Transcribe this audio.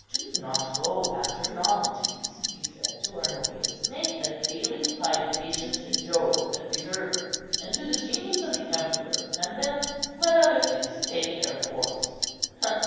"Do not go after novelties," he said to Arnobius; "make a daily libation to Jove, the preserver, and to the genius of the emperor, and then let other things take their course."